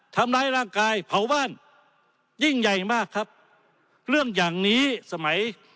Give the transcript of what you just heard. ทำร้ายร่างกายเผาบ้านยิ่งใหญ่มากครับเรื่องอย่างนี้สมัย